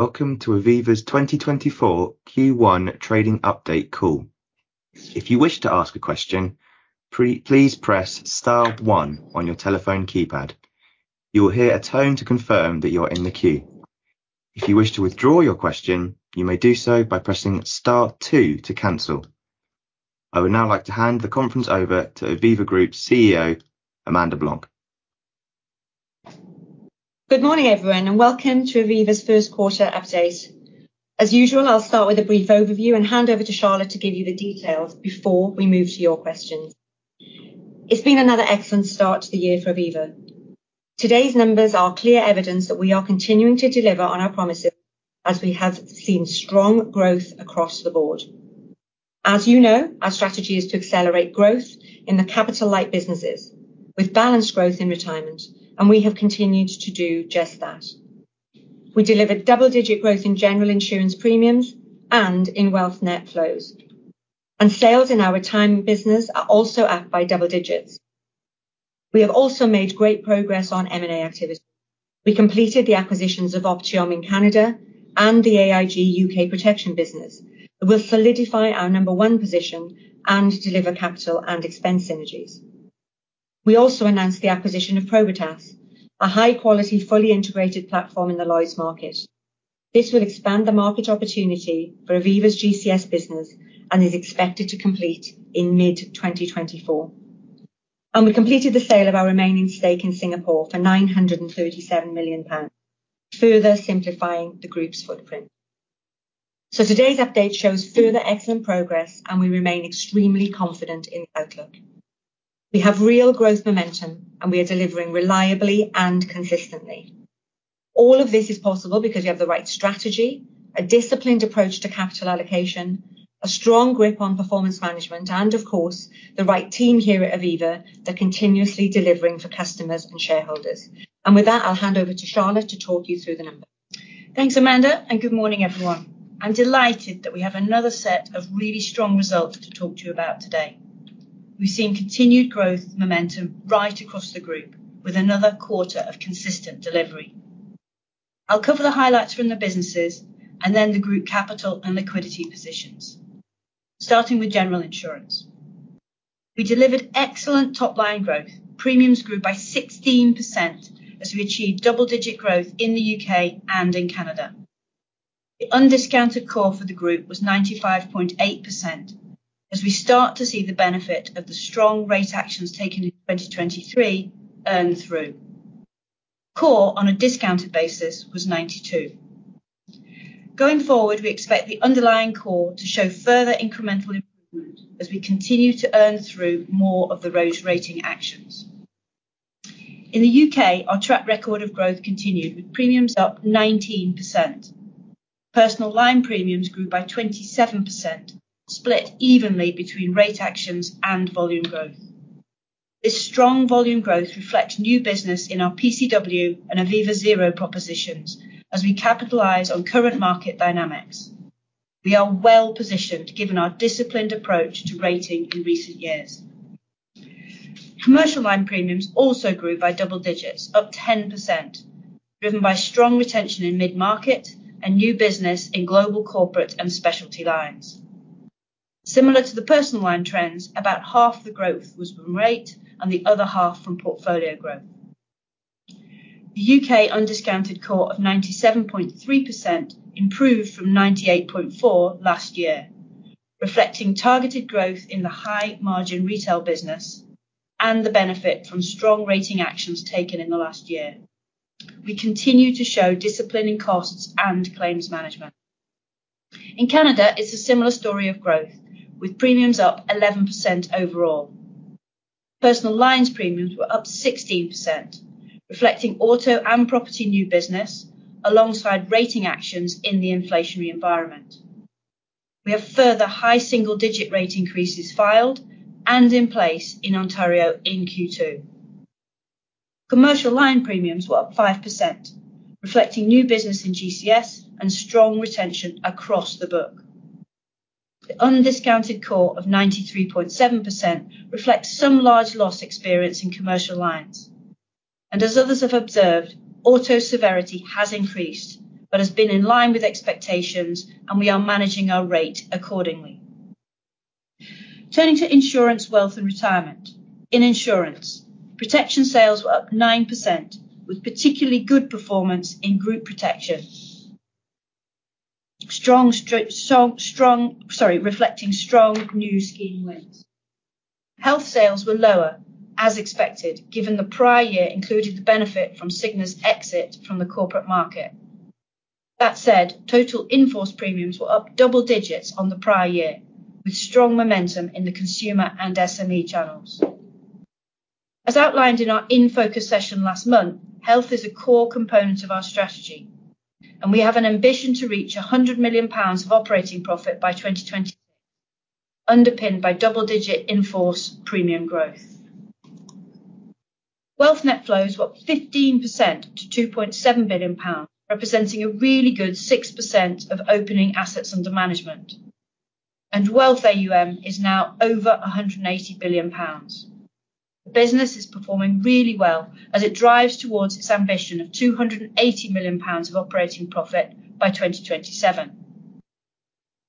Welcome to Aviva's 2024 Q1 trading update call. If you wish to ask a question, please press star one on your telephone keypad. You will hear a tone to confirm that you are in the queue. If you wish to withdraw your question, you may do so by pressing star two to cancel. I would now like to hand the conference over to Aviva Group CEO, Amanda Blanc. Good morning, everyone, and welcome to Aviva's first quarter update. As usual, I'll start with a brief overview and hand over to Charlotte to give you the details before we move to your questions. It's been another excellent start to the year for Aviva. Today's numbers are clear evidence that we are continuing to deliver on our promises, as we have seen strong growth across the board. As you know, our strategy is to accelerate growth in the capital-light businesses, with balanced growth in retirement, and we have continued to do just that. We delivered double-digit growth in general insurance premiums and in Wealth net flows. Sales in our retirement business are also up by double digits. We have also made great progress on M&A activity. We completed the acquisitions of Optiom in Canada and the AI UK protection business, that will solidify our number one position and deliver capital and expense synergies. We also announced the acquisition of Probitas, a high-quality, fully integrated platform in the Lloyd's market. This will expand the market opportunity for Aviva's GCS business and is expected to complete in mid-2024. We completed the sale of our remaining stake in Singapore for 937 million pounds, further simplifying the group's footprint. Today's update shows further excellent progress, and we remain extremely confident in the outlook. We have real growth momentum, and we are delivering reliably and consistently. All of this is possible because we have the right strategy, a disciplined approach to capital allocation, a strong grip on performance management, and of course, the right team here at Aviva, that are continuously delivering for customers and shareholders. And with that, I'll hand over to Charlotte to talk you through the numbers. Thanks, Amanda, and good morning, everyone. I'm delighted that we have another set of really strong results to talk to you about today. We've seen continued growth momentum right across the group, with another quarter of consistent delivery. I'll cover the highlights from the businesses and then the group capital and liquidity positions. Starting with general insurance. We delivered excellent top-line growth. Premiums grew by 16% as we achieved double-digit growth in the UK and in Canada. The undiscounted core for the group was 95.8%, as we start to see the benefit of the strong rate actions taken in 2023 earn through. Core, on a discounted basis, was 92. Going forward, we expect the underlying core to show further incremental improvement as we continue to earn through more of the those rating actions. In the UK, our track record of growth continued, with premiums up 19%. Personal line premiums grew by 27%, split evenly between rate actions and volume growth. This strong volume growth reflects new business in our PCW and Aviva Zero propositions as we capitalize on current market dynamics. We are well positioned given our disciplined approach to rating in recent years. Commercial line premiums also grew by double digits, up 10%, driven by strong retention in mid-market and new business in global corporate and specialty lines. Similar to the personal line trends, about half the growth was from rate and the other half from portfolio growth. The UK undiscounted core of 97.3% improved from 98.4% last year, reflecting targeted growth in the high-margin retail business and the benefit from strong rating actions taken in the last year. We continue to show discipline in costs and claims management. In Canada, it's a similar story of growth, with premiums up 11% overall. Personal lines premiums were up 16%, reflecting auto and property new business, alongside rating actions in the inflationary environment. We have further high single-digit rate increases filed and in place in Ontario in Q2. Commercial line premiums were up 5%, reflecting new business in GCS and strong retention across the book. The undiscounted core of 93.7% reflects some large loss experience in commercial lines. And as others have observed, auto severity has increased, but has been in line with expectations, and we are managing our rate accordingly. Turning to insurance, wealth, and retirement. In insurance, protection sales were up 9%, with particularly good performance in group protection. Strong... Sorry, reflecting strong new scheme wins. Health sales were lower, as expected, given the prior year included the benefit from Cigna's exit from the corporate market. That said, total in-force premiums were up double digits on the prior year, with strong momentum in the consumer and SME channels. As outlined in our In Focus session last month, health is a core component of our strategy, and we have an ambition to reach 100 million pounds of operating profit by 2020, underpinned by double-digit in-force premium growth. Wealth net flows were up 15% to 2.7 billion pounds, representing a really good 6% of opening assets under management.... and wealth AUM is now over 180 billion pounds. The business is performing really well as it drives towards its ambition of 280 million pounds of operating profit by 2027.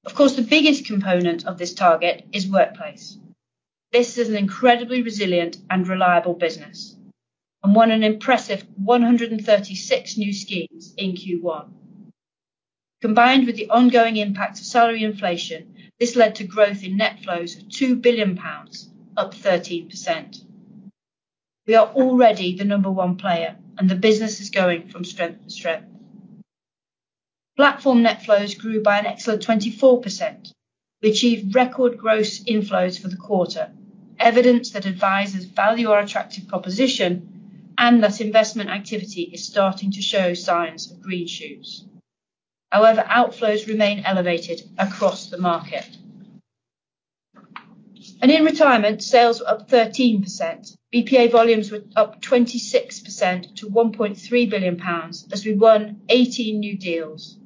Of course, the biggest component of this target is workplace. This is an incredibly resilient and reliable business, and won an impressive 136 new schemes in Q1. Combined with the ongoing impact of salary inflation, this led to growth in net flows of 2 billion pounds, up 13%. We are already the number one player, and the business is going from strength to strength. Platform net flows grew by an excellent 24%. We achieved record gross inflows for the quarter, evidence that advisors value our attractive proposition, and that investment activity is starting to show signs of green shoots. However, outflows remain elevated across the market. In retirement, sales were up 13%. BPA volumes were up 26% to 1.3 billion pounds, as we won 18 new deals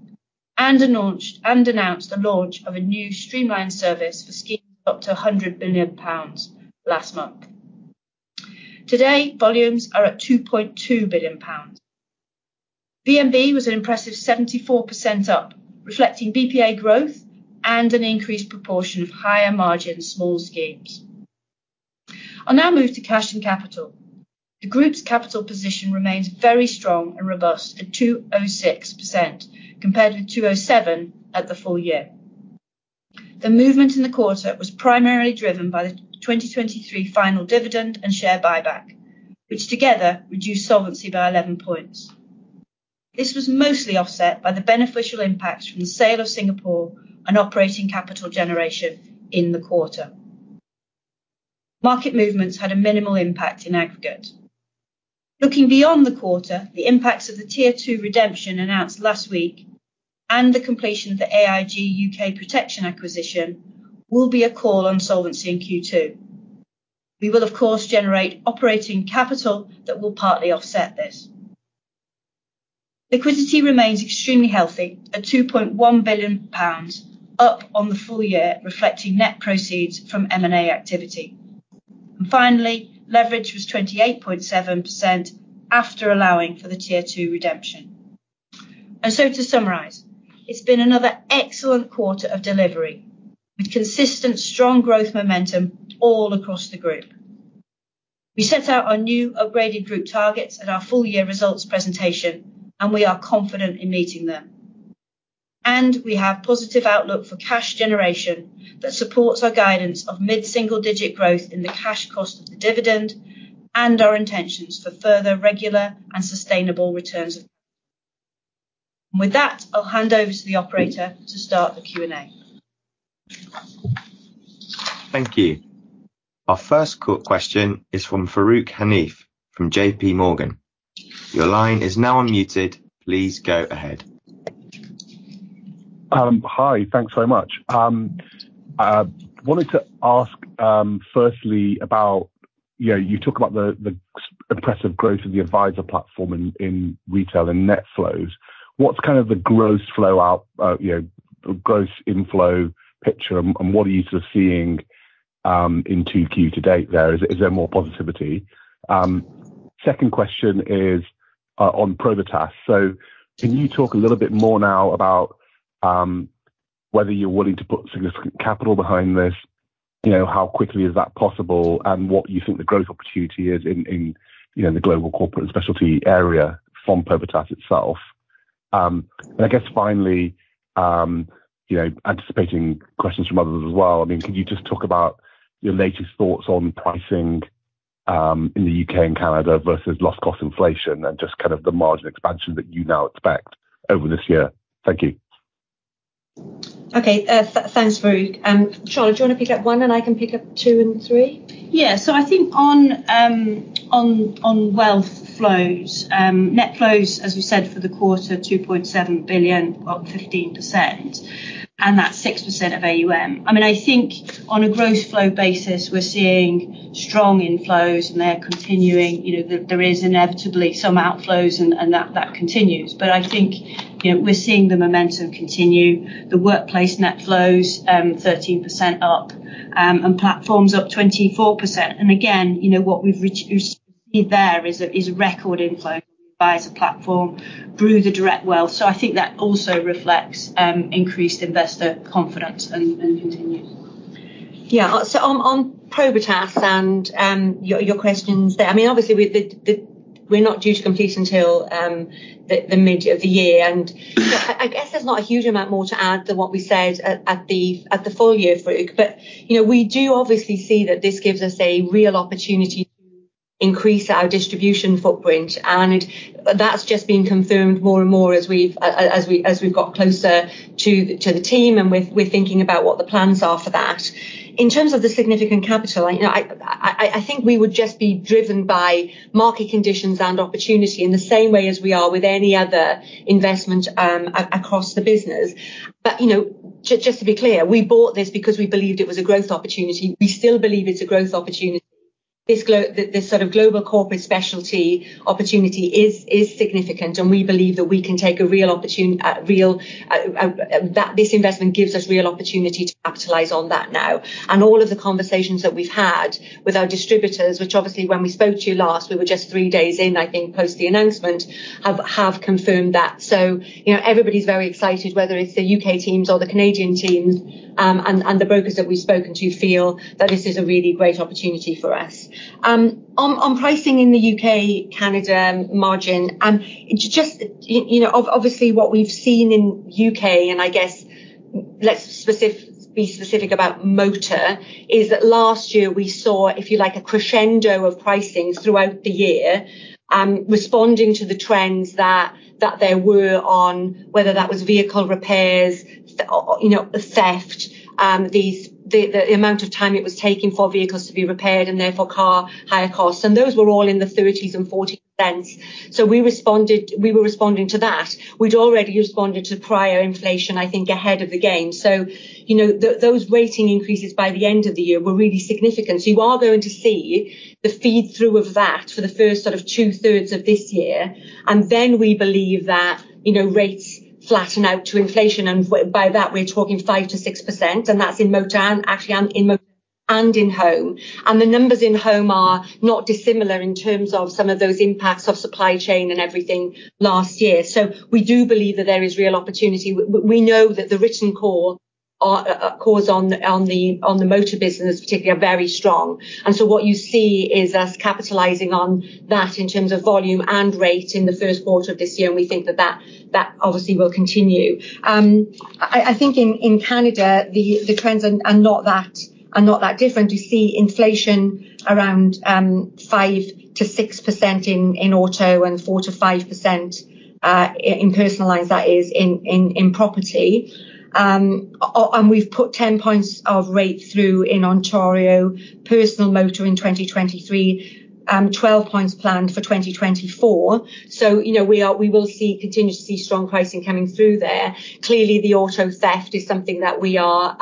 and announced the launch of a new streamlined service for schemes up to 100 billion pounds last month. Today, volumes are at 2.2 billion pounds. VNB was an impressive 74% up, reflecting BPA growth and an increased proportion of higher margin small schemes. I'll now move to cash and capital. The group's capital position remains very strong and robust at 206%, compared with 207% at the full year. The movement in the quarter was primarily driven by the 2023 final dividend and share buyback, which together reduced solvency by 11 points. This was mostly offset by the beneficial impacts from the sale of Singapore and operating capital generation in the quarter. Market movements had a minimal impact in aggregate. Looking beyond the quarter, the impacts of the Tier 2 redemption announced last week, and the completion of the AIG UK protection acquisition, will be a call on solvency in Q2. We will, of course, generate operating capital that will partly offset this. Liquidity remains extremely healthy, at 2.1 billion pounds, up on the full year, reflecting net proceeds from M&A activity. And finally, leverage was 28.7% after allowing for the Tier 2 redemption. And so to summarize, it's been another excellent quarter of delivery, with consistent strong growth momentum all across the group. We set out our new upgraded group targets at our full year results presentation, and we are confident in meeting them. We have positive outlook for cash generation that supports our guidance of mid-single digit growth in the cash cost of the dividend, and our intentions for further regular and sustainable returns. With that, I'll hand over to the operator to start the Q&A. Thank you. Our first question is from Farooq Hanif, from J.P. Morgan. Your line is now unmuted. Please go ahead. Hi, thanks so much. Wanted to ask, firstly, about, you know, you talk about the impressive growth of the advisor platform in retail and net flows. What's kind of the gross flow out, you know, gross inflow picture, and what are you sort of seeing in 2Q to date there? Is there more positivity? Second question is on Probitas. So can you talk a little bit more now about whether you're willing to put significant capital behind this? You know, how quickly is that possible, and what you think the growth opportunity is in, you know, the global corporate and specialty area from Probitas itself. I guess finally, you know, anticipating questions from others as well, I mean, can you just talk about your latest thoughts on pricing in the UK and Canada versus loss cost inflation, and just kind of the margin expansion that you now expect over this year? Thank you. Okay, thanks, Farooq. Charlotte, do you want to pick up one, and I can pick up two and three? Yeah. So I think on wealth flows, net flows, as we said, for the quarter, 2.7 billion, up 15%, and that's 6% of AUM. I mean, I think on a gross flow basis, we're seeing strong inflows, and they're continuing. You know, there is inevitably some outflows, and that continues. But I think, you know, we're seeing the momentum continue. The workplace net flows, 13% up, and platforms up 24%. And again, you know, what we've reached to see there is a record inflow by as a platform through the direct wealth. So I think that also reflects increased investor confidence and continues. Yeah. So on Probitas and your questions there. I mean, obviously, we're not due to complete until the mid of the year. And I guess there's not a huge amount more to add than what we said at the full year, Farooq. But you know, we do obviously see that this gives us a real opportunity to increase our distribution footprint, and that's just been confirmed more and more as we've got closer to the team, and we're thinking about what the plans are for that. In terms of the significant capital, you know, I think we would just be driven by market conditions and opportunity in the same way as we are with any other investment across the business. But, you know, just to be clear, we bought this because we believed it was a growth opportunity. We still believe it's a growth opportunity. ... this, this sort of Global Corporate & Specialty opportunity is significant, and we believe that we can take a real opportunity – that this investment gives us real opportunity to capitalize on that now. And all of the conversations that we've had with our distributors, which obviously when we spoke to you last, we were just three days in, I think, post the announcement, have confirmed that. So, you know, everybody's very excited, whether it's the UK teams or the Canadian teams, and the brokers that we've spoken to feel that this is a really great opportunity for us. On pricing in the UK, Canada margin, it's just, you know, obviously what we've seen in UK, and I guess let's be specific about motor, is that last year we saw, if you like, a crescendo of pricing throughout the year, responding to the trends that there were on, whether that was vehicle repairs, or, you know, theft, the amount of time it was taking for vehicles to be repaired and therefore car hire costs. And those were all in the 30s and 40s percent. So we responded, we were responding to that. We'd already responded to prior inflation, I think, ahead of the game. So, you know, those rating increases by the end of the year were really significant. So you are going to see the feed through of that for the first sort of two-thirds of this year. Then we believe that, you know, rates flatten out to inflation, and by that, we're talking 5%-6%, and that's in motor, and actually, in motor and in home. The numbers in home are not dissimilar in terms of some of those impacts of supply chain and everything last year. So we do believe that there is real opportunity. We know that the written cores on the motor business, particularly, are very strong. So what you see is us capitalizing on that in terms of volume and rate in the first quarter of this year, and we think that that obviously will continue. I think in Canada, the trends are not that different. You see inflation around 5%-6% in auto and 4%-5% in personal lines, that is, in property. And we've put 10 points of rate through in Ontario, personal motor in 2023, 12 points planned for 2024. So, you know, we will continue to see strong pricing coming through there. Clearly, the auto theft is something that we are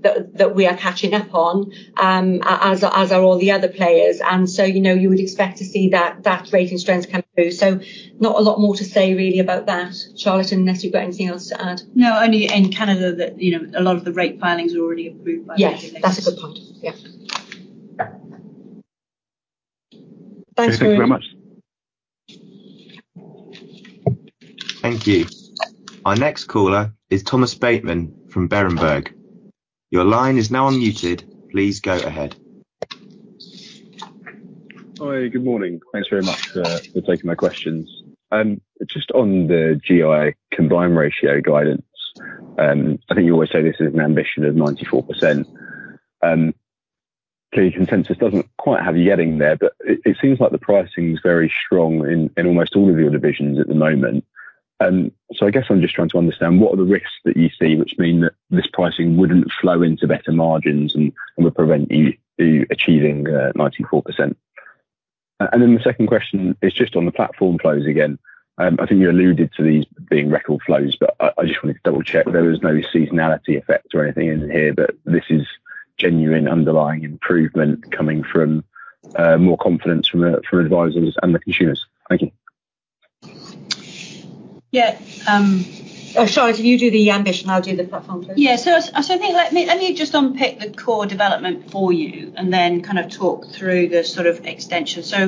catching up on, as are all the other players. So, you know, you would expect to see that rating strength come through. So not a lot more to say really about that, Charlotte, unless you've got anything else to add. No, only in Canada, that, you know, a lot of the rate filings are already approved by- Yes, that's a good point. Yeah. Thanks very much. Thank you very much. Thank you. Our next caller is Thomas Bateman from Berenberg. Your line is now unmuted. Please go ahead. Hi, good morning. Thanks very much for taking my questions. Just on the GI combined ratio guidance, I think you always say this is an ambition of 94%. So your consensus doesn't quite have you getting there, but it seems like the pricing is very strong in almost all of your divisions at the moment. So I guess I'm just trying to understand what are the risks that you see, which mean that this pricing wouldn't flow into better margins and would prevent you achieving 94%? And then the second question is just on the platform flows again. I think you alluded to these being record flows, but I just wanted to double-check. There was no seasonality effect or anything in here, but this is genuine underlying improvement coming from more confidence from advisors and the consumers. Thank you. Yeah, um- Oh, Charlotte, you do the ambition, I'll do the platform please. Yeah, so I think let me just unpick the core development for you and then kind of talk through the sort of extension. So,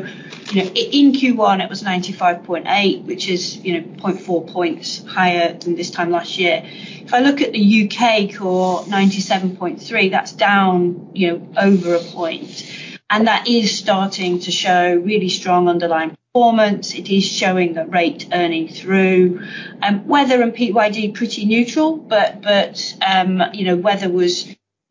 you know, in Q1, it was 95.8%, which is, you know, 0.4 points higher than this time last year. If I look at the UK core, 97.3%, that's down, you know, over a point, and that is starting to show really strong underlying performance. It is showing that rate earning through. Weather and PYD, pretty neutral, but, you know, weather was,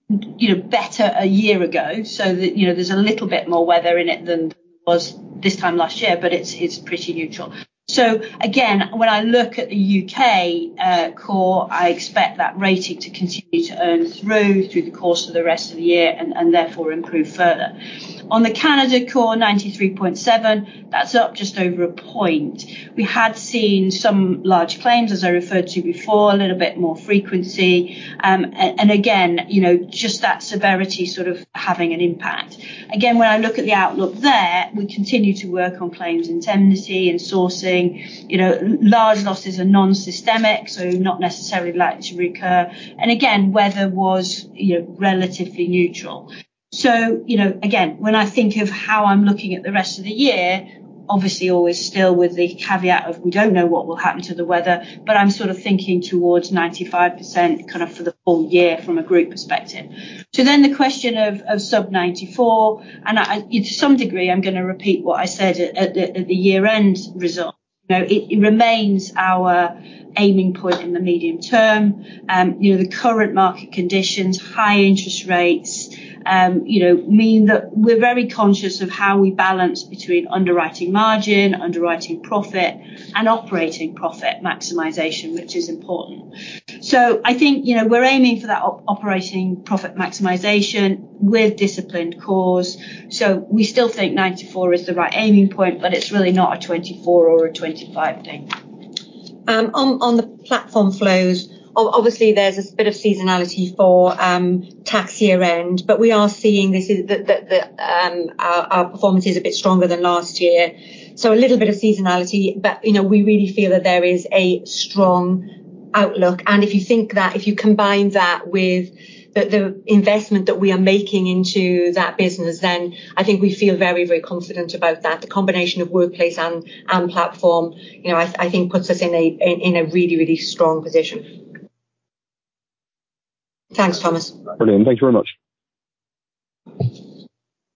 you know, better a year ago, so that, you know, there's a little bit more weather in it than there was this time last year, but it's, it's pretty neutral. So again, when I look at the UK core, I expect that rating to continue to earn through the course of the rest of the year and therefore improve further. On the Canada core, 93.7, that's up just over a point. We had seen some large claims, as I referred to before, a little bit more frequency. And again, you know, just that severity sort of having an impact. Again, when I look at the outlook there, we continue to work on claims intimacy and sourcing. You know, large losses are nonsystemic, so not necessarily likely to recur. And again, weather was, you know, relatively neutral. So, you know, again, when I think of how I'm looking at the rest of the year, obviously, always still with the caveat of we don't know what will happen to the weather, but I'm sort of thinking towards 95%, kind of for the full year from a group perspective. So then the question of sub 94%, and I, to some degree, I'm gonna repeat what I said at the year-end results. You know, it remains our aiming point in the medium term. You know, the current market conditions, high interest rates, you know, mean that we're very conscious of how we balance between underwriting margin, underwriting profit, and operating profit maximization, which is important. So I think, you know, we're aiming for that operating profit maximization with disciplined course. We still think 94 is the right aiming point, but it's really not a 2024 or 2025 thing. On the platform flows, obviously, there's a bit of seasonality for tax year end, but we are seeing that our performance is a bit stronger than last year. So a little bit of seasonality, but, you know, we really feel that there is a strong outlook. And if you think that, if you combine that with the investment that we are making into that business, then I think we feel very, very confident about that. The combination of workplace and platform, you know, I think puts us in a really, really strong position. Thanks, Thomas. Brilliant. Thank you very much.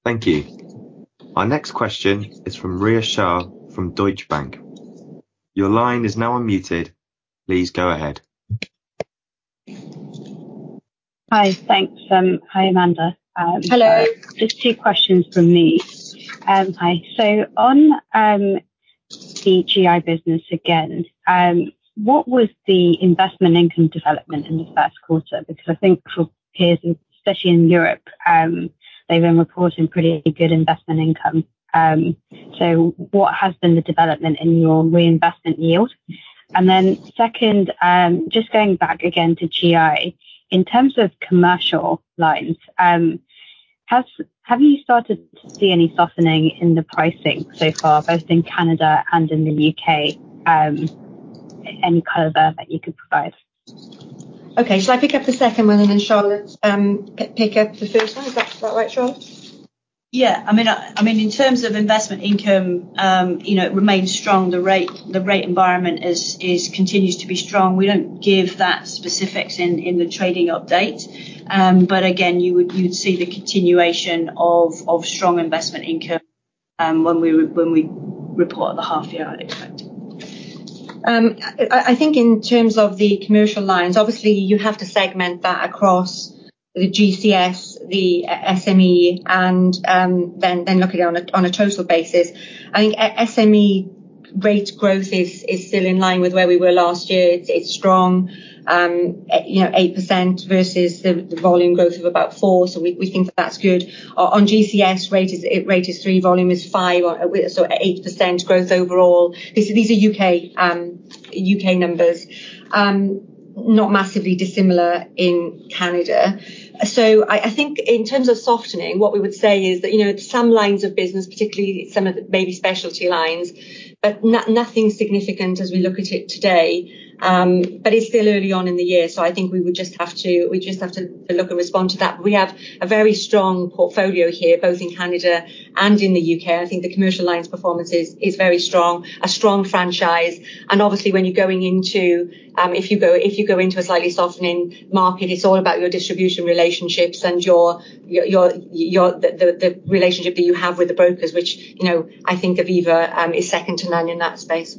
Thank you. Our next question is from Ria Shah, from Deutsche Bank. Your line is now unmuted. Please go ahead. Hi. Thanks, hi, Amanda. Hello. Just two questions from me. Hi. So on, the GI business again, what was the investment income development in the first quarter? Because I think for peers, especially in Europe, they've been reporting pretty good investment income. So what has been the development in your reinvestment yield? And then second, just going back again to GI. In terms of commercial lines, have you started to see any softening in the pricing so far, both in Canada and in the UK? Any color there that you could provide? Okay. Shall I pick up the second one, and then Charlotte, pick up the first one? Is that about right, Charlotte? Yeah. I mean, in terms of investment income, you know, it remains strong. The rate environment continues to be strong. We don't give that specifics in the trading update. But again, you would see the continuation of strong investment income, when we report the half year, I'd expect. I think in terms of the commercial lines, obviously, you have to segment that across the GCS, the SME, and then look at it on a total basis. I think SME rate growth is still in line with where we were last year. It's strong. You know, 8% versus the volume growth of about 4, so we think that that's good. On GCS rate is 3, volume is 5, or so 8% growth overall. These are U.K. numbers. Not massively dissimilar in Canada. So I think in terms of softening, what we would say is that, you know, some lines of business, particularly some of the maybe specialty lines, but nothing significant as we look at it today. But it's still early on in the year, so I think we just have to look and respond to that. We have a very strong portfolio here, both in Canada and in the U.K. I think the commercial lines performance is very strong, a strong franchise, and obviously if you go into a slightly softening market, it's all about your distribution relationships and your relationship that you have with the brokers, which, you know, I think Aviva is second to none in that space.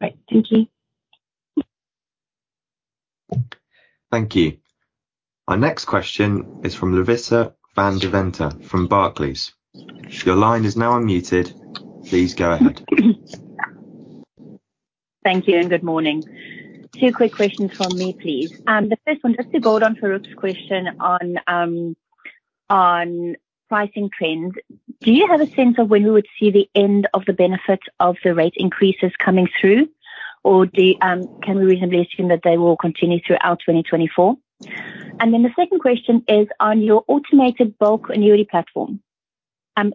Right. Thank you. Thank you. Our next question is from Larissa van Deventer from Barclays. Your line is now unmuted. Please go ahead. Thank you, and good morning. Two quick questions from me, please. The first one, just to go on Farooq's question on pricing trends. Do you have a sense of when we would see the end of the benefit of the rate increases coming through? Or do you, can we reasonably assume that they will continue throughout 2024? And then the second question is on your automated bulk annuity platform,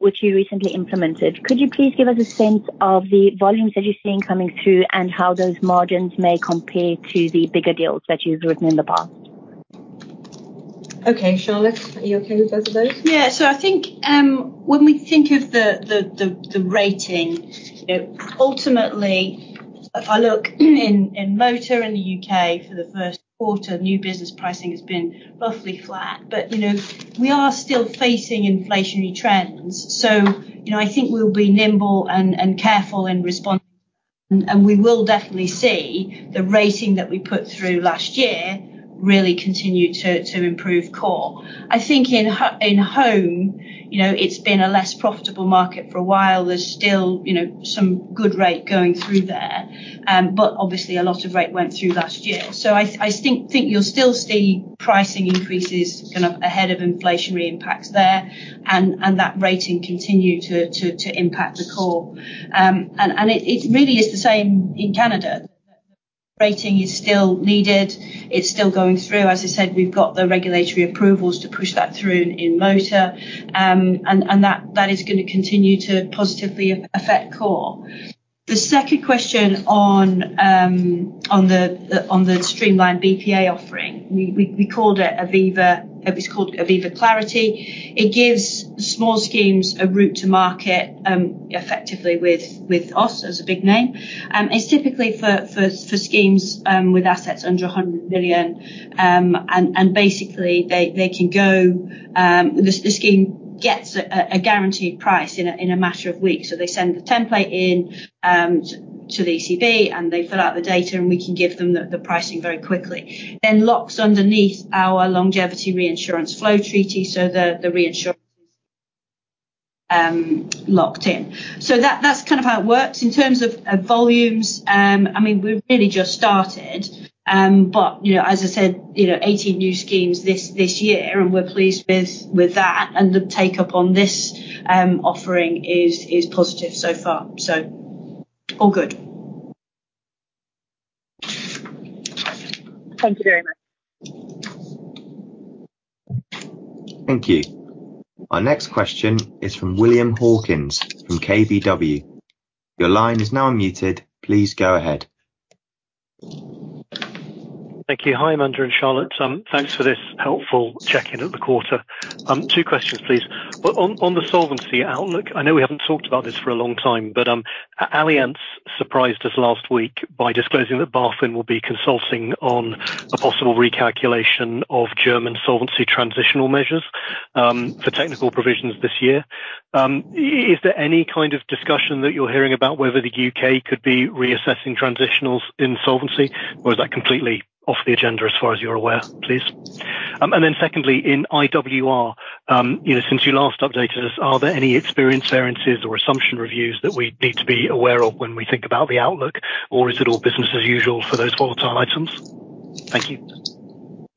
which you recently implemented. Could you please give us a sense of the volumes that you're seeing coming through and how those margins may compare to the bigger deals that you've written in the past? Okay, Charlotte, are you okay with both of those? Yeah. So I think, when we think of the rating, you know, ultimately, if I look in motor in the UK for the first quarter, new business pricing has been roughly flat. But, you know, we are still facing inflationary trends. So, you know, I think we'll be nimble and careful in responding, and we will definitely see the rating that we put through last year really continue to improve core. I think in home, you know, it's been a less profitable market for a while. There's still, you know, some good rate going through there, but obviously a lot of rate went through last year. So I think you'll still see pricing increases kind of ahead of inflationary impacts there, and that rating continue to impact the core. And it really is the same in Canada. Rating is still needed. It's still going through. As I said, we've got the regulatory approvals to push that through in motor, and that is gonna continue to positively affect core. The second question on the streamlined BPA offering, we called it Aviva... It was called Aviva Clarity. It gives small schemes a route to market, effectively with us, as a big name. It's typically for schemes with assets under 100 million. And basically, they can go, the scheme gets a guaranteed price in a matter of weeks. So they send the template in, to the EBC, and they fill out the data, and we can give them the pricing very quickly. Then locks underneath our longevity reinsurance flow treaty, so the reinsurance locked in. So that's kind of how it works in terms of volumes.... I mean, we've really just started. But, you know, as I said, you know, 18 new schemes this year, and we're pleased with that, and the take-up on this offering is positive so far, so all good. Thank you very much. Thank you. Our next question is from William Hawkins from KBW. Your line is now unmuted. Please go ahead. Thank you. Hi, Amanda and Charlotte. Thanks for this helpful check-in at the quarter. Two questions, please. Well, on the solvency outlook, I know we haven't talked about this for a long time, but Allianz surprised us last week by disclosing that BaFin will be consulting on a possible recalculation of German solvency transitional measures for technical provisions this year. Is there any kind of discussion that you're hearing about whether the U.K. could be reassessing transitionals in solvency, or is that completely off the agenda as far as you're aware, please? And then secondly, in IWR, you know, since you last updated us, are there any experience variances or assumption reviews that we need to be aware of when we think about the outlook, or is it all business as usual for those volatile items? Thank you.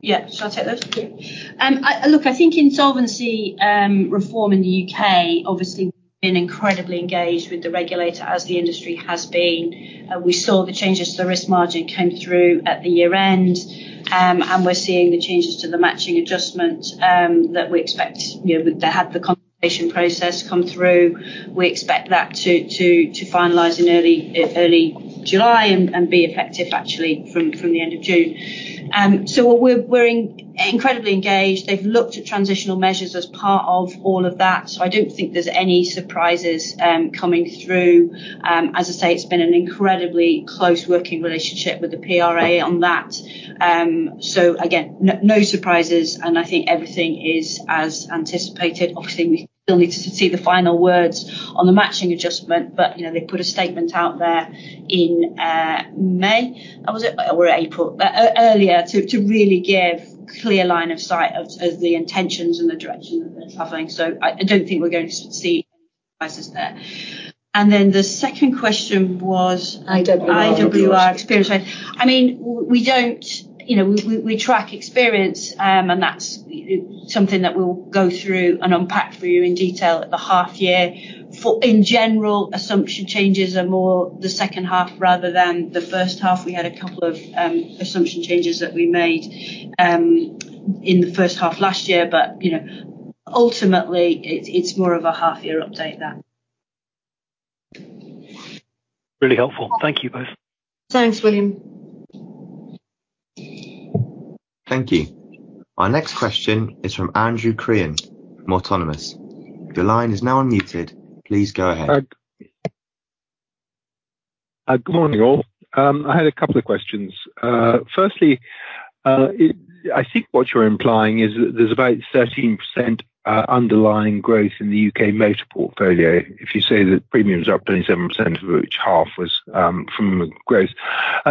Yeah. Shall I take those? Yeah. Look, I think in solvency reform in the UK, obviously been incredibly engaged with the regulator as the industry has been. We saw the changes to the risk margin came through at the year-end, and we're seeing the changes to the matching adjustment that we expect, you know, to have the conversation process come through. We expect that to finalize in early July and be effective actually from the end of June. So what we're incredibly engaged. They've looked at transitional measures as part of all of that, so I don't think there's any surprises coming through. As I say, it's been an incredibly close working relationship with the PRA on that. So again, no surprises, and I think everything is as anticipated. Obviously, we still need to see the final words on the matching adjustment, but, you know, they put a statement out there in May, or was it April? Earlier, to really give clear line of sight of the intentions and the direction of the traveling. So I don't think we're going to see crisis there. And then the second question was IWR. IWR experience. I mean, we don't... You know, we track experience, and that's something that we'll go through and unpack for you in detail at the half year. In general, assumption changes are more the second half rather than the first half. We had a couple of assumption changes that we made in the first half last year, but, you know, ultimately, it's more of a half year update then. Really helpful. Thank you both. Thanks, William. Thank you. Our next question is from Andrew Crean from Autonomous. Your line is now unmuted. Please go ahead. Good morning, all. I had a couple of questions. Firstly, I think what you're implying is that there's about 13% underlying growth in the UK motor portfolio. If you say that premiums are up 27%, of which half was from growth.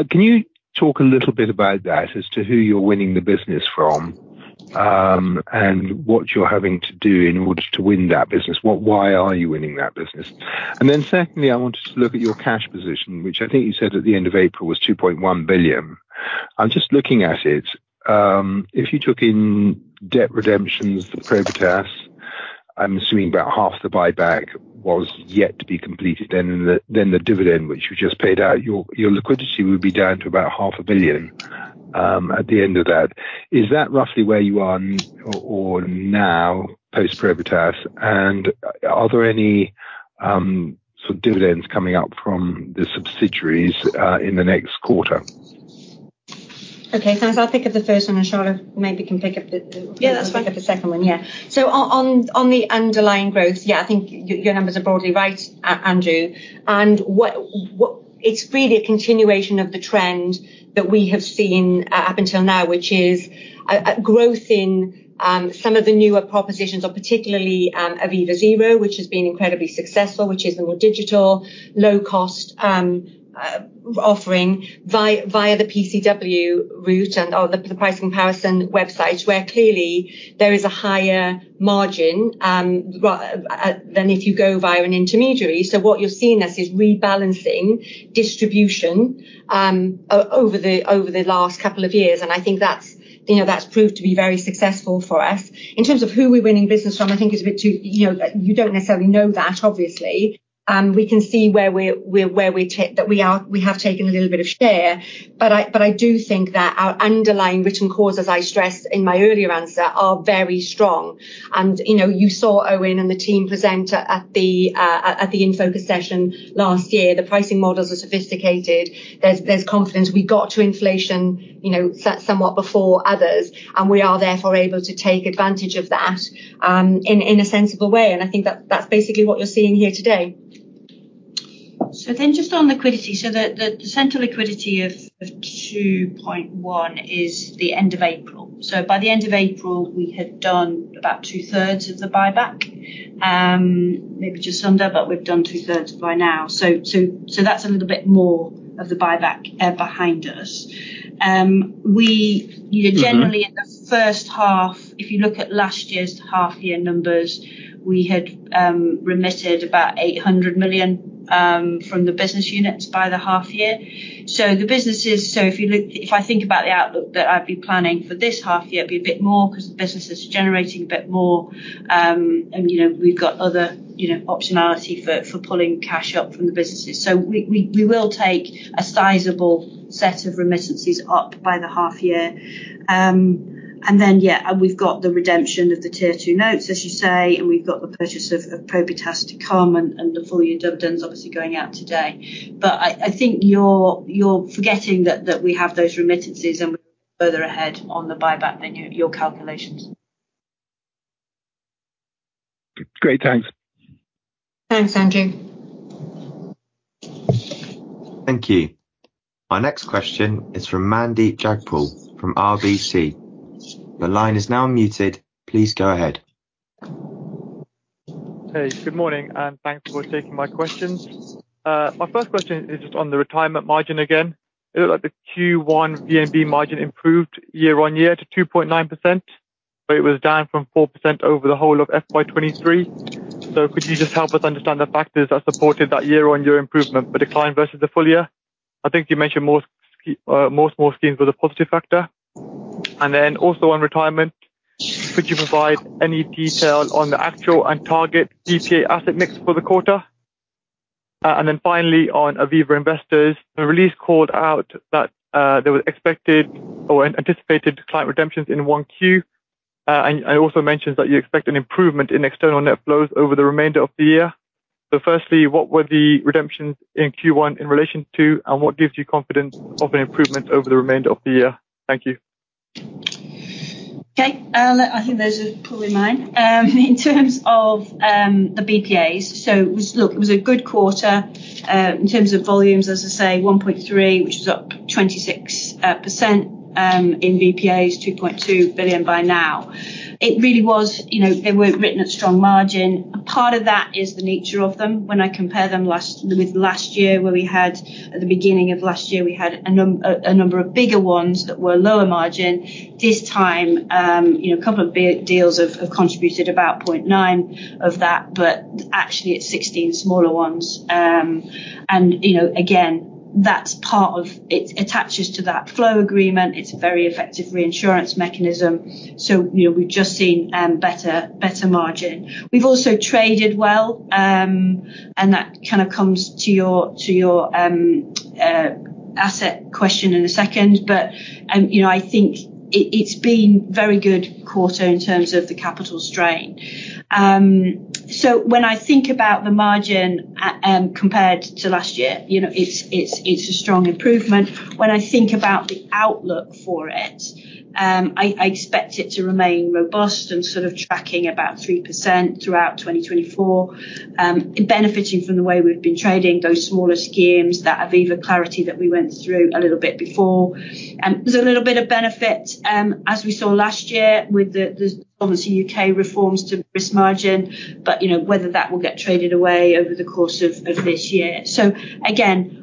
Can you talk a little bit about that as to who you're winning the business from, and what you're having to do in order to win that business? What, why are you winning that business? And then secondly, I wanted to look at your cash position, which I think you said at the end of April, was 2.1 billion. I'm just looking at it. If you took in debt redemptions, the Probitas, I'm assuming about half the buyback was yet to be completed, then the, then the dividend, which you just paid out, your, your liquidity would be down to about 500 million, at the end of that. Is that roughly where you are now, post-Probitas? And are there any, sort of dividends coming up from the subsidiaries, in the next quarter? Okay. So I'll pick up the first one, and Charlotte maybe can pick up the— Yeah, that's fine. Pick up the second one. Yeah. So on the underlying growth, yeah, I think your numbers are broadly right, Andrew. It's really a continuation of the trend that we have seen up until now, which is a growth in some of the newer propositions, or particularly Aviva Zero, which has been incredibly successful, which is a more digital, low-cost offering via the PCW route and or the pricing comparison website, where clearly there is a higher margin than if you go via an intermediary. So what you're seeing is a rebalancing distribution over the last couple of years, and I think that's, you know, that's proved to be very successful for us. In terms of who we're winning business from, I think is a bit too, you know, you don't necessarily know that, obviously. We can see where we are, we have taken a little bit of share, but I do think that our underlying written causes, I stressed in my earlier answer, are very strong. And, you know, you saw Owen and the team present at the InFocus session last year. The pricing models are sophisticated. There's confidence. We got to inflation, you know, somewhat before others, and we are therefore able to take advantage of that in a sensible way. And I think that, that's basically what you're seeing here today. So then just on liquidity. So the central liquidity of 2.1 is the end of April. So by the end of April, we had done about two-thirds of the buyback, maybe just under, but we've done two-thirds by now. So that's a little bit more of the buyback behind us. We, you know, generally first half, if you look at last year's half-year numbers, we had remitted about 800 million from the business units by the half year. So the business is so if you look. If I think about the outlook that I'd be planning for this half year, it'd be a bit more 'cause the business is generating a bit more. And, you know, we've got other, you know, optionality for pulling cash up from the businesses. So we will take a sizable set of remittances up by the half year. And then, yeah, and we've got the redemption of the Tier 2 notes, as you say, and we've got the purchase of Probitas to come and the full-year dividends obviously going out today. But I think you're forgetting that we have those remittances, and we're further ahead on the buyback than your calculations. Great. Thanks. Thanks, Andrew. Thank you. Our next question is from Mandeep Jagpal from RBC. Your line is now unmuted. Please go ahead. Hey, good morning, and thanks for taking my questions. My first question is just on the retirement margin again. It looked like the Q1 VNB margin improved year-on-year to 2.9%, but it was down from 4% over the whole of FY 2023. So could you just help us understand the factors that supported that year-on-year improvement, but decline versus the full year? I think you mentioned more small schemes were the positive factor. And then also on retirement, could you provide any detail on the actual and target BPA asset mix for the quarter? And then finally, on Aviva Investors, the release called out that there were expected or anticipated client redemptions in 1Q. And it also mentions that you expect an improvement in external net flows over the remainder of the year. Firstly, what were the redemptions in Q1 in relation to, and what gives you confidence of an improvement over the remainder of the year? Thank you. Okay. I think those are probably mine. In terms of the BPAs, so it was... Look, it was a good quarter in terms of volumes, as I say, 1.3 billion, which is up 26% in BPAs, 2.2 billion by now. It really was, you know, they were written at strong margin. Part of that is the nature of them. When I compare them with last year, where we had, at the beginning of last year, we had a number of bigger ones that were lower margin. This time, you know, a couple of big deals have contributed about 0.9 billion of that, but actually it's 16 smaller ones. And, you know, again, that's part of... It attaches to that flow agreement. It's a very effective reinsurance mechanism. So, you know, we've just seen, better, better margin. We've also traded well, and that kind of comes to your, to your, asset question in a second. But, you know, I think it, it's been very good quarter in terms of the capital strain. So when I think about the margin, compared to last year, you know, it's, it's, it's a strong improvement. When I think about the outlook for it, I, I expect it to remain robust and sort of tracking about 3% throughout 2024, benefiting from the way we've been trading those smaller schemes, that Aviva Clarity that we went through a little bit before. There's a little bit of benefit, as we saw last year with the obviously U.K. reforms to Risk Margin, but, you know, whether that will get traded away over the course of this year. So again,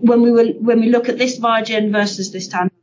when we look at this margin versus this time last year,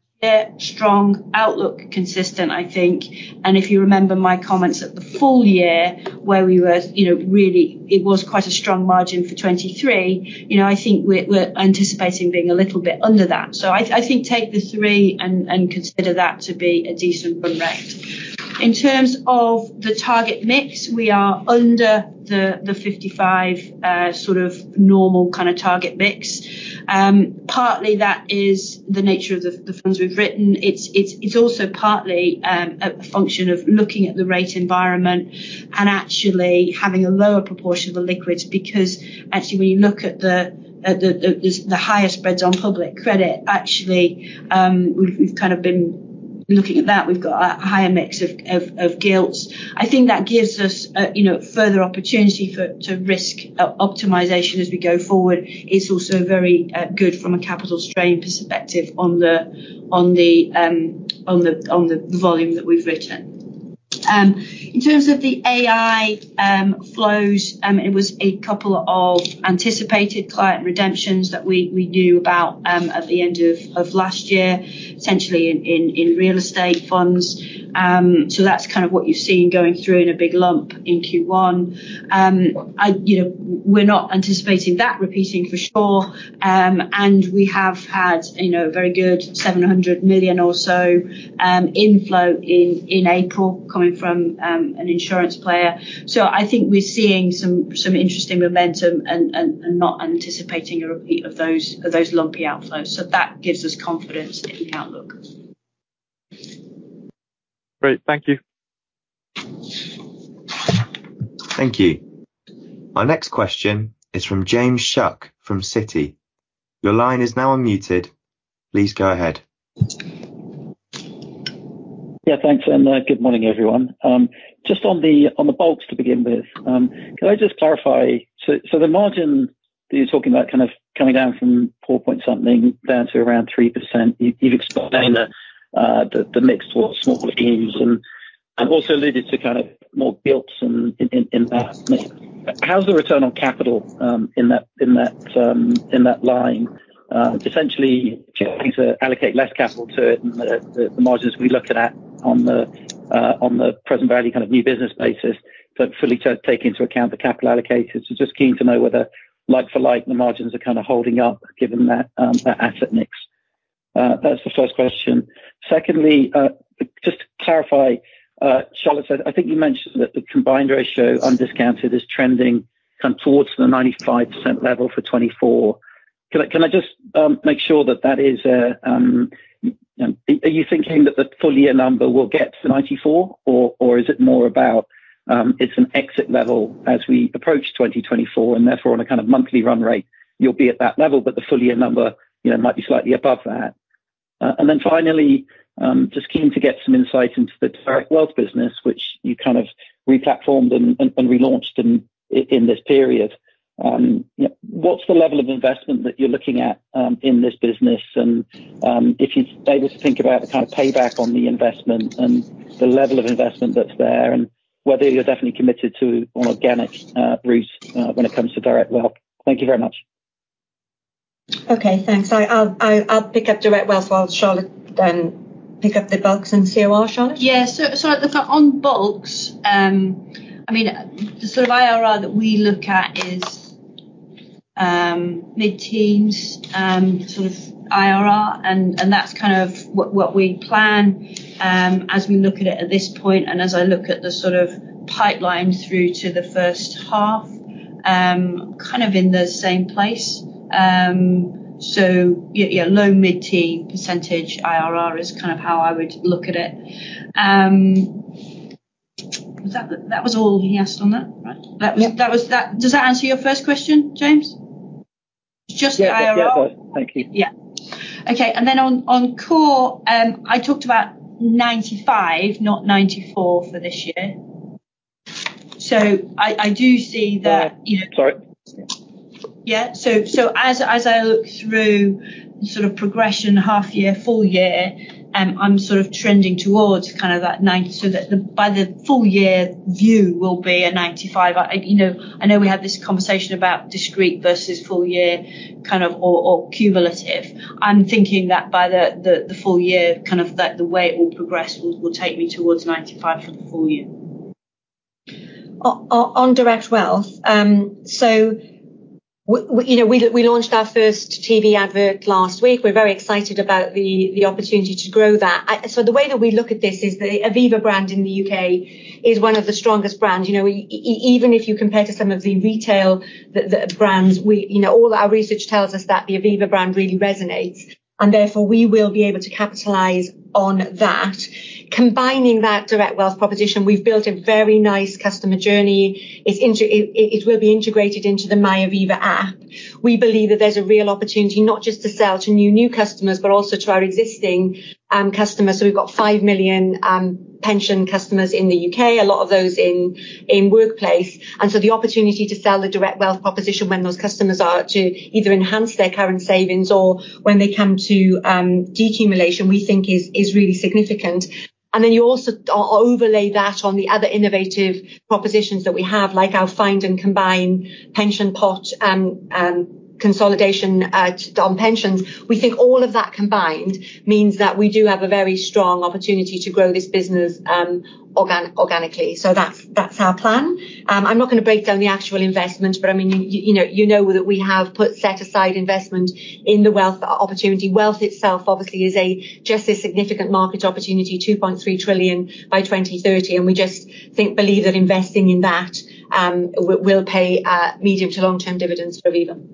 strong outlook, consistent, I think, and if you remember my comments at the full year, where we were, you know, really, it was quite a strong margin for 2023. You know, I think we're anticipating being a little bit under that. So I think, take the 3 and consider that to be a decent run rate. In terms of the target mix, we are under the 55, sort of normal kinda target mix. Partly that is the nature of the funds we've written. It's also partly a function of looking at the rate environment and actually having a lower proportion of the liquids, because actually, when you look at the higher spreads on public credit, actually, we've kind of been looking at that. We've got a higher mix of gilts. I think that gives us a, you know, further opportunity for risk optimization as we go forward. It's also very good from a capital strain perspective on the volume that we've written. In terms of the AIG flows, it was a couple of anticipated client redemptions that we knew about at the end of last year, essentially in real estate funds. So that's kind of what you've seen going through in a big lump in Q1. You know, we're not anticipating that repeating for sure, and we have had, you know, a very good 700 million or so inflow in April, coming from an insurance player. So I think we're seeing some interesting momentum and not anticipating a repeat of those lumpy outflows, so that gives us confidence in the outlook. Great. Thank you. Thank you. Our next question is from James Shuck from Citi. Your line is now unmuted. Please go ahead. Yeah, thanks, and good morning, everyone. Just on the bulks to begin with, can I just clarify? So the margin that you're talking about kind of coming down from 4 point something down to around 3%, you've explained the mix towards smaller schemes. And also related to kind of more builds and in that. How's the return on capital in that line? Essentially trying to allocate less capital to it and the margins we looked at on the present value, kind of new business basis, but fully to take into account the capital allocators. So just keen to know whether like for like, the margins are kind of holding up given that asset mix. That's the first question. Secondly, just to clarify, Charlotte, I think you mentioned that the combined ratio undiscounted is trending kind of towards the 95% level for 2024. Can I just make sure that that is... Are you thinking that the full year number will get to 94, or is it more about, it's an exit level as we approach 2024, and therefore, on a kind of monthly run rate, you'll be at that level, but the full year number, you know, might be slightly above that? And then finally, just keen to get some insight into the direct wealth business, which you kind of replatformed and relaunched in this period. You know, what's the level of investment that you're looking at in this business? If you're able to think about the kind of payback on the investment and the level of investment that's there, and whether you're definitely committed to an organic route when it comes to direct wealth. Thank you very much. Okay, thanks. I'll pick up direct wealth while Charlotte then pick up the bulks in COR. Charlotte? Yeah. So, so look, on bulks, I mean, the sort of IRR that we look at is mid-teens sort of IRR, and, and that's kind of what, what we plan, as we look at it at this point, and as I look at the sort of pipeline through to the first half, kind of in the same place. So yeah, yeah, low mid-teen% IRR is kind of how I would look at it. Was that the... That was all he asked on that, right? Yeah. Does that answer your first question, James? Just IRR? Yeah. Yeah, it does. Thank you. Yeah. Okay, and then on, on core, I talked about 95, not 94 for this year. So I, I do see that, you know- Sorry. Yeah. So as I look through sort of the progression, half year, full year, I'm sort of trending towards kind of that 90. So that the, by the full year view will be a 95. You know, I know we had this conversation about discrete versus full year kind of, or cumulative. I'm thinking that by the full year, kind of, that the way it will progress will take me towards 95 for the full year. On direct wealth. So, you know, we launched our first TV advert last week. We're very excited about the opportunity to grow that. So the way that we look at this is the Aviva brand in the UK is one of the strongest brands. You know, even if you compare to some of the retail, the brands, we, you know, all our research tells us that the Aviva brand really resonates, and therefore we will be able to capitalize on that. Combining that direct wealth proposition, we've built a very nice customer journey. It will be integrated into the MyAviva app. We believe that there's a real opportunity, not just to sell to new customers, but also to our existing customers. So we've got 5 million pension customers in the UK, a lot of those in workplace. And so the opportunity to sell the direct wealth proposition when those customers are to either enhance their current savings or when they come to decumulation, we think is really significant. And then you also overlay that on the other innovative propositions that we have, like our find and combine pension pot consolidation on pensions. We think all of that combined means that we do have a very strong opportunity to grow this business organically. So that's our plan. I'm not going to break down the actual investment, but I mean, you know, you know that we have set aside investment in the wealth opportunity. Wealth itself, obviously, is just a significant market opportunity, 2.3 trillion by 2030, and we just think, believe that investing in that will pay medium- to long-term dividends for Aviva. Yeah, that's,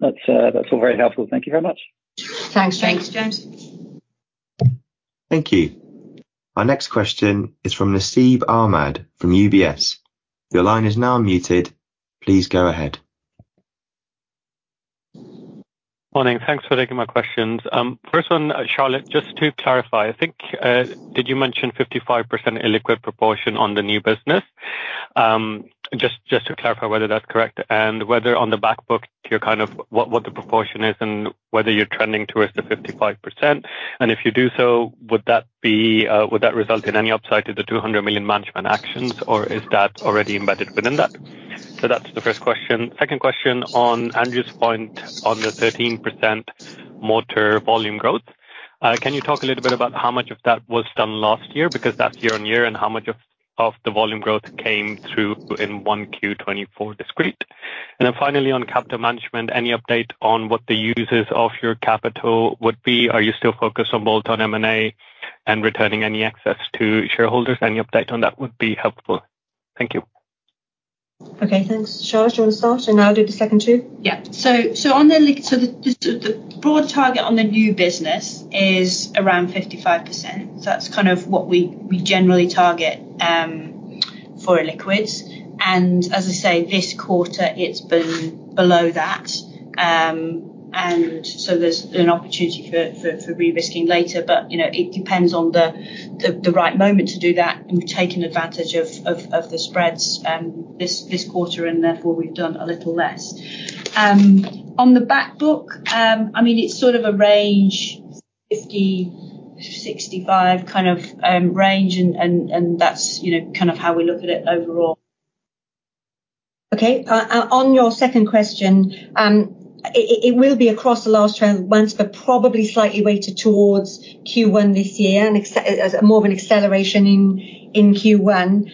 that's all very helpful. Thank you very much. Thanks, James. Thanks, James. Thank you. Our next question is from Nasib Ahmed, from UBS. Your line is now unmuted. Please go ahead. Morning. Thanks for taking my questions. First one, Charlotte, just to clarify, I think, did you mention 55% illiquid proportion on the new business? Just to clarify whether that's correct, and whether on the back book, what the proportion is and whether you're trending towards the 55%. And if you do so, would that result in any upside to the 200 million management actions, or is that already embedded within that? So that's the first question. Second question, on Andrew's point on the 13% motor volume growth, can you talk a little bit about how much of that was done last year, because that's year-on-year, and how much of the volume growth came through in 1Q 2024 discrete? Then finally, on capital management, any update on what the uses of your capital would be? Are you still focused on bolt-on M&A and returning any excess to shareholders? Any update on that would be helpful. Thank you. Okay, thanks. Charlotte, you want to start, and I'll do the second two? Yeah. So the broad target on the new business is around 55%. So that's kind of what we generally target for illiquids. And as I say, this quarter, it's been below that. And so there's an opportunity for re-risking later, but you know, it depends on the right moment to do that, and we've taken advantage of the spreads this quarter, and therefore, we've done a little less. On the back book, I mean, it's sort of a range, fifty-... 65 kind of range, and that's, you know, kind of how we look at it overall. Okay. On your second question, it will be across the last 12 months, but probably slightly weighted towards Q1 this year, and as more of an acceleration in Q1.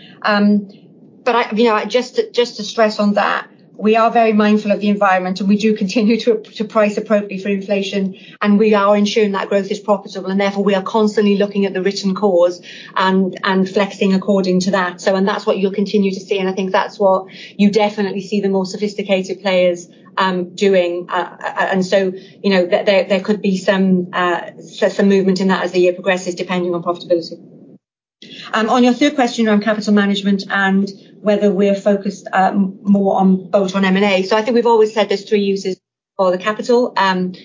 But I, you know, just to stress on that, we are very mindful of the environment, and we do continue to price appropriately for inflation, and we are ensuring that growth is profitable, and therefore, we are constantly looking at the written costs and flexing according to that. So, and that's what you'll continue to see, and I think that's what you definitely see the more sophisticated players doing. And so, you know, there could be some movement in that as the year progresses, depending on profitability. On your third question around capital management and whether we're focused more on both on M&A. So I think we've always said there's three uses for the capital,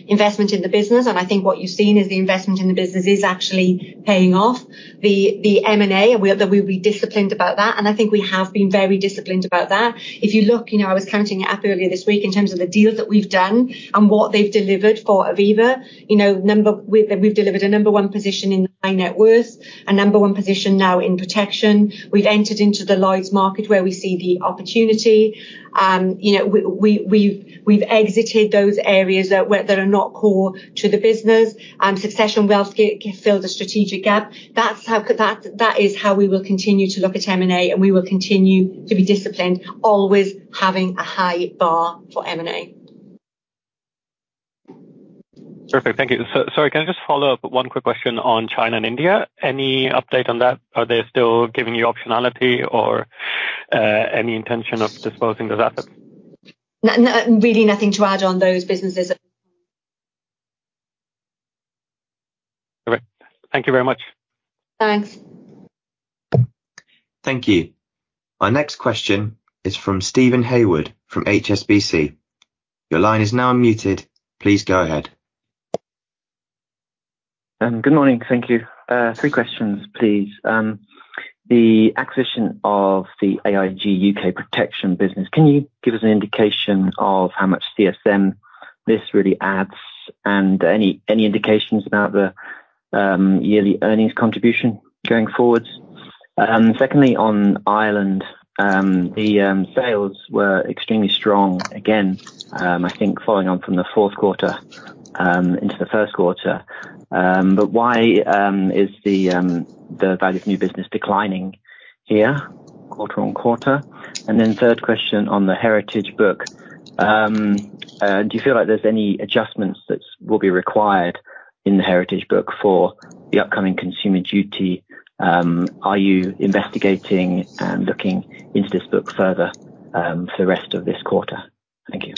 investment in the business, and I think what you've seen is the investment in the business is actually paying off. The M&A, we have that we'll be disciplined about that, and I think we have been very disciplined about that. If you look, you know, I was counting it up earlier this week in terms of the deals that we've done and what they've delivered for Aviva. You know, we've delivered a number one position in high net worth, a number one position now in protection. We've entered into the Lloyd's market, where we see the opportunity. You know, we've exited those areas that are not core to the business. Succession Wealth that filled a strategic gap. That's how we will continue to look at M&A, and we will continue to be disciplined, always having a high bar for M&A. Perfect. Thank you. So, can I just follow up one quick question on China and India? Any update on that? Are they still giving you optionality or, any intention of disposing those assets? No, really nothing to add on those businesses. All right. Thank you very much. Thanks. Thank you. Our next question is from Steven Haywood, from HSBC. Your line is now unmuted. Please go ahead. Good morning. Thank you. Three questions, please. The acquisition of the AIG UK protection business, can you give us an indication of how much CSM this really adds, and any, any indications about the, yearly earnings contribution going forward? Secondly, on Ireland, the sales were extremely strong again, I think following on from the fourth quarter, into the first quarter. But why is the, the value of new business declining here, quarter on quarter? And then third question on the Heritage book. Do you feel like there's any adjustments that will be required in the Heritage book for the upcoming Consumer Duty? Are you investigating and looking into this book further, for the rest of this quarter? Thank you.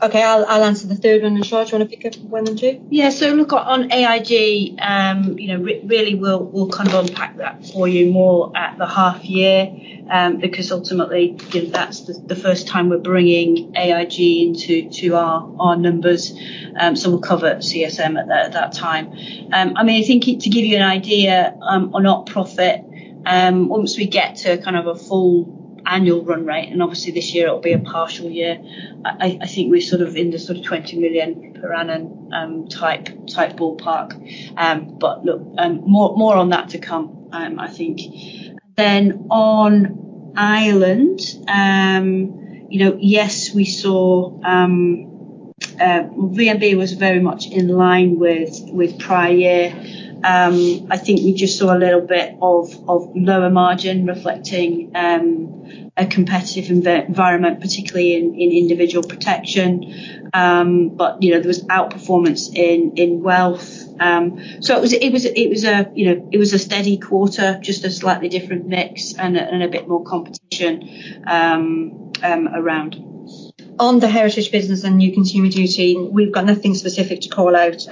Okay, I'll, I'll answer the third one, and, Charlotte, you want to pick up one and two? Yeah. So look, on AIG, you know, really, we'll kind of unpack that for you more at the half year, because ultimately, you know, that's the first time we're bringing AIG into our numbers. So we'll cover CSM at that time. I mean, I think to give you an idea, on op profit, once we get to kind of a full annual run rate, and obviously this year it will be a partial year, I think we're sort of in the sort of 20 million per annum type ballpark. But look, more on that to come, I think. Then on Ireland, you know, yes, we saw VNB was very much in line with prior year. I think you just saw a little bit of lower margin reflecting a competitive environment, particularly in individual protection. But you know, there was outperformance in wealth. So it was a steady quarter, just a slightly different mix and a bit more competition around. On the Heritage business and new Consumer Duty, we've got nothing specific to call out.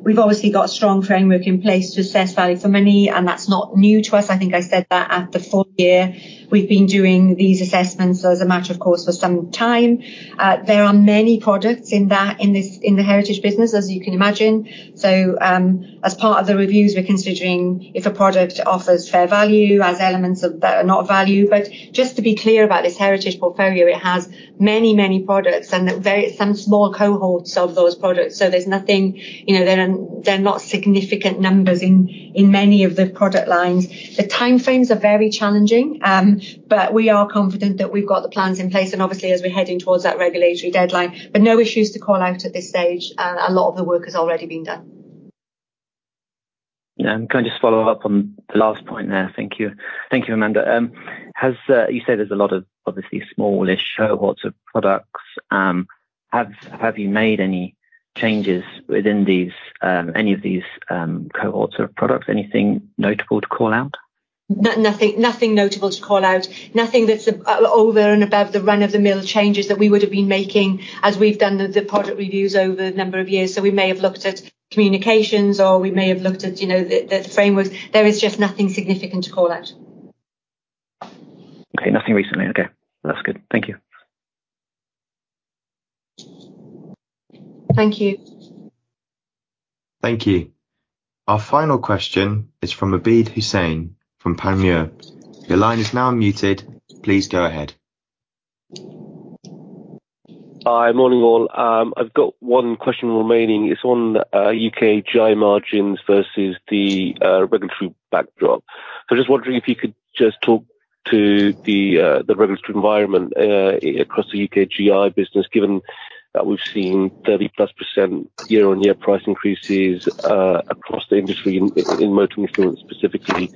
We've obviously got a strong framework in place to assess value for money, and that's not new to us. I think I said that at the full year. We've been doing these assessments as a matter of course, for some time. There are many products in that, in this, in the Heritage business, as you can imagine. So, as part of the reviews, we're considering if a product offers fair value, as elements of that are not value. But just to be clear about this Heritage portfolio, it has many, many products and very some small cohorts of those products. So there's nothing, you know, they're not, they're not significant numbers in, in many of the product lines. The timeframes are very challenging, but we are confident that we've got the plans in place, and obviously as we're heading towards that regulatory deadline, but no issues to call out at this stage, and a lot of the work has already been done. Can I just follow up on the last point there? Thank you. Thank you, Amanda. You said there's a lot of obviously smallish cohorts of products. Have you made any changes within these, any of these, cohorts of products? Anything notable to call out? Nothing, nothing notable to call out. Nothing that's over and above the run-of-the-mill changes that we would have been making as we've done the product reviews over a number of years. So we may have looked at communications, or we may have looked at, you know, the frameworks. There is just nothing significant to call out. Okay, nothing recently. Okay, that's good. Thank you. Thank you. Thank you. Our final question is from Abid Hussain from Panmure. Your line is now unmuted. Please go ahead.... Hi, morning, all. I've got one question remaining. It's on, UK GI margins versus the, regulatory backdrop. So just wondering if you could just talk to the, the regulatory environment, across the UK GI business, given that we've seen 30%+ year-on-year price increases, across the industry in, motor insurance specifically.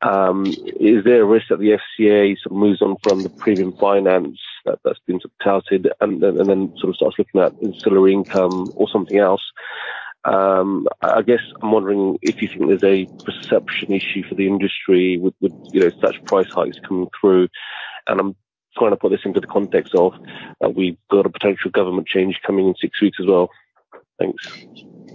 Is there a risk that the FCA sort of moves on from the premium finance that's been sort of touted, and then, starts looking at ancillary income or something else? I guess I'm wondering if you think there's a perception issue for the industry with, you know, such price hikes coming through, and I'm trying to put this into the context of, that we've got a potential government change coming in six weeks as well. Thanks.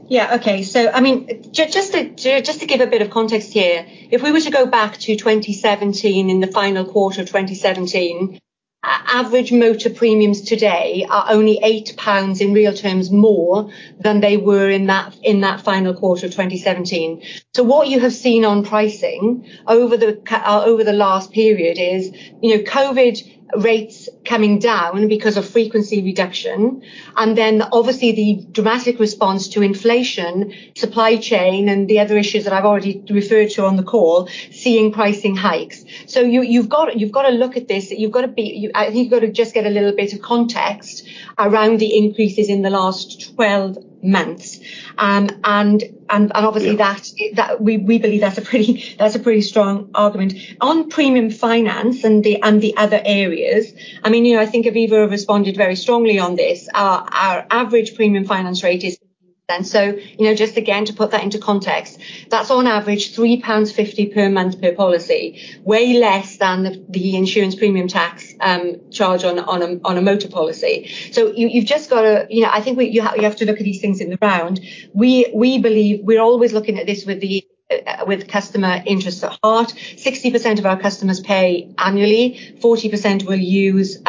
Yeah. Okay. So I mean, just to give a bit of context here, if we were to go back to 2017, in the final quarter of 2017, average motor premiums today are only 8 pounds in real terms, more than they were in that, in that final quarter of 2017. So what you have seen on pricing over the last period is, you know, COVID rates coming down because of frequency reduction, and then obviously the dramatic response to inflation, supply chain, and the other issues that I've already referred to on the call, seeing pricing hikes. So you've got, you've got to look at this, you've got to just get a little bit of context around the increases in the last 12 months. And obviously- Yeah... that we believe that's a pretty strong argument. On premium finance and the other areas, I mean, you know, I think Aviva responded very strongly on this. Our average premium finance rate is ten. So, you know, just again, to put that into context, that's on average 3.50 pounds per month per policy, way less than the insurance premium tax charged on a motor policy. So you've just got to... You know, I think you have to look at these things in the round. We believe we're always looking at this with the customer interests at heart. 60% of our customers pay annually, 40% will use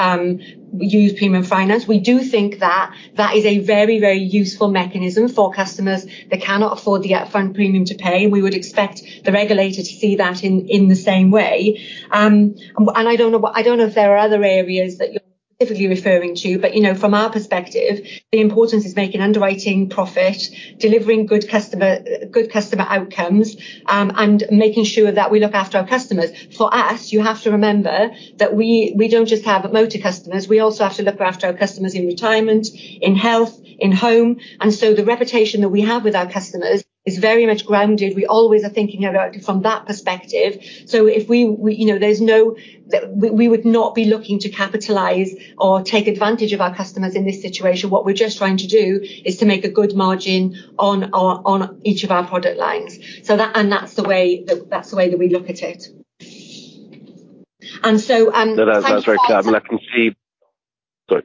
premium finance. We do think that that is a very, very useful mechanism for customers that cannot afford the upfront premium to pay. We would expect the regulator to see that in the same way. And I don't know if there are other areas that you're specifically referring to, but you know, from our perspective, the importance is making underwriting profit, delivering good customer outcomes, and making sure that we look after our customers. For us, you have to remember that we don't just have motor customers. We also have to look after our customers in retirement, in health, in home, and so the reputation that we have with our customers is very much grounded. We always are thinking about it from that perspective. So if we, you know, there's that we would not be looking to capitalize or take advantage of our customers in this situation. What we're just trying to do is to make a good margin on each of our product lines. So that's the way that we look at it. And so, No, that's, that's very clear. I mean, I can see... Sorry.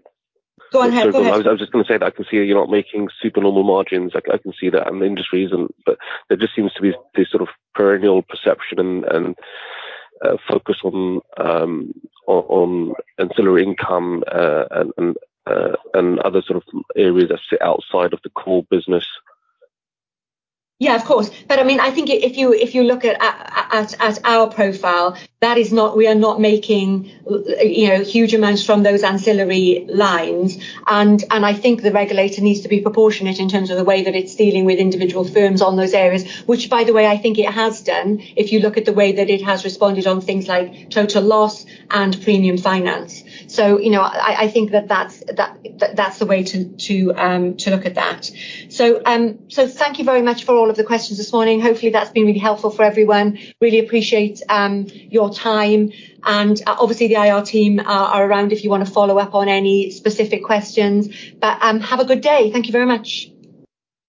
Go ahead. Go ahead. I was, I was just gonna say that I can see that you're not making super normal margins. I, I can see that, and the industry isn't, but there just seems to be this sort of perennial perception and, and, focus on, on, ancillary income, and, and, and other sort of areas that sit outside of the core business. Yeah, of course. But I mean, I think if you look at our profile, that is not... We are not making, you know, huge amounts from those ancillary lines. And I think the regulator needs to be proportionate in terms of the way that it's dealing with individual firms on those areas, which, by the way, I think it has done, if you look at the way that it has responded on things like total loss and premium finance. So, you know, I think that's the way to look at that. So, so thank you very much for all of the questions this morning. Hopefully, that's been really helpful for everyone. Really appreciate your time, and obviously the IR team are around if you wanna follow up on any specific questions. But have a good day. Thank you very much.